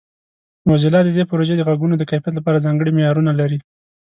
موزیلا د دې پروژې د غږونو د کیفیت لپاره ځانګړي معیارونه لري.